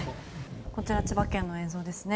こちら千葉県の映像ですね。